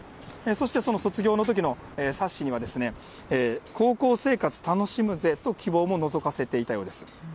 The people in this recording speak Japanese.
そして、その卒業のときの冊子には、高校生活楽しむぜと希望ものぞかせていたようです。